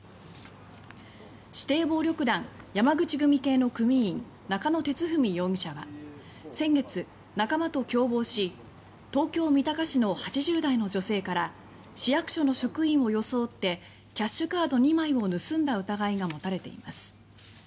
指定暴力団・六代目山口組系の組員仲野哲史容疑者は先月、仲間と共謀し東京・三鷹市の８０代の女性から市役所の職員を装ってキャッシュカード２枚を盗んだ疑いがもたれています。